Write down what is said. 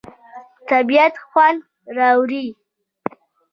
طبیعت خوند راوړي.